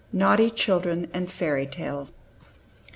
NAUGHTY CHILDREN AND FAIRY TALES.